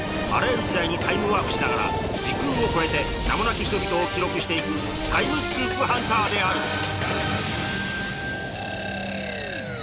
あらゆる時代にタイムワープしながら時空を超えて名もなき人々を記録していくタイムスクープハンターである。